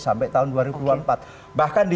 sampai tahun dua ribu empat